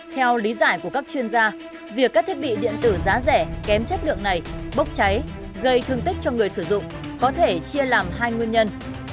theo lý giải của các chuyên gia việc các thiết bị điện tử giá rẻ kém chất lượng này bốc cháy gây thương tích cho người sử dụng có thể chia làm hai nguyên nhân